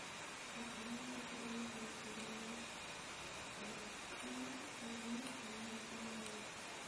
El primero abarca edades desde el Oligoceno tardío al Mioceno medio.